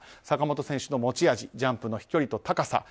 坂本選手の持ち味ジャンプの飛距離と高さ